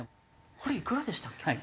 これ幾らでしたっけ？